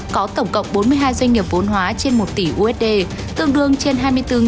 có tổng cộng bốn mươi hai doanh nghiệp vốn hóa trên một tỷ usd tương đương trên hai mươi bốn năm trăm sáu mươi tỷ đồng